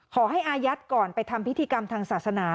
ขอให้อาญัติศพก่อนไปทำพิธีกรรมทางศาสนา